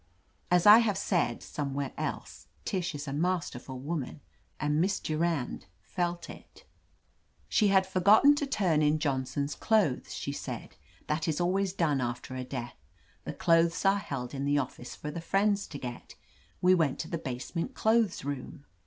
As I have said somewhere else, Tish is a master ful woman, and Miss Durand felt it "She had forgotten to turn in Johnson's clothes," she said. "That is always done after a death : the clothes are held in the office for 154 OF LETITIA CARBERRY the friends to get We went to the basement clothes room.'